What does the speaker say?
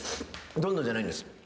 「どんどん」じゃないんです。